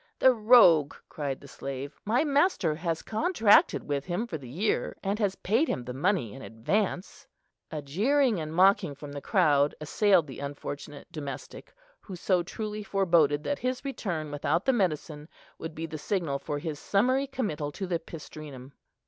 "The rogue," cried the slave, "my master has contracted with him for the year, and has paid him the money in advance." A jeering and mocking from the crowd assailed the unfortunate domestic, who so truly foreboded that his return without the medicine would be the signal for his summary committal to the pistrinum.